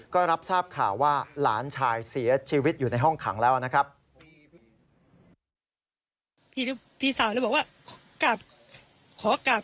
ก็รับทราบข่าวว่าหลานชายเสียชีวิตอยู่ในห้องขังแล้วนะครับ